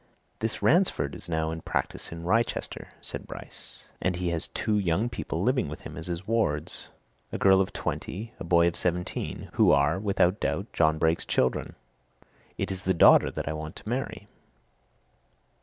"This Ransford is now in practice in Wrychester," said Bryce. "And he has two young people living with him as his wards a girl of twenty, a boy of seventeen who are, without doubt, John Brake's children. It is the daughter that I want to marry."